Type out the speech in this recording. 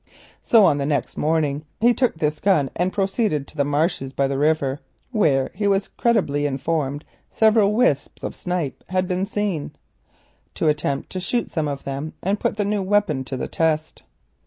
So on the next morning he took this gun and went to the marshes by the river—where, he was credibly informed, several wisps of snipe had been seen—to attempt to shoot some of them and put the new weapon to the test.